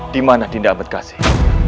di mana dinda amat kasih